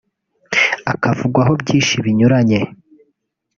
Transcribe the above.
akavugwaho byinshi binyuranye